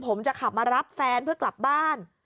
ผมจะขับมารับแฟนเพื่อกลับบ้าน